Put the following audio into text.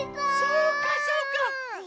そうかそうか！